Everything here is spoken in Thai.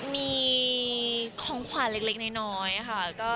มีของขวัญเล็กน้อยค่ะ